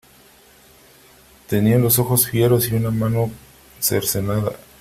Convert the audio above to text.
tenía los ojos fieros y una mano cercenada .